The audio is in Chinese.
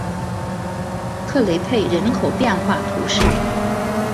克雷佩人口变化图示